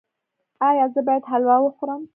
ایا زه باید حلوا وخورم؟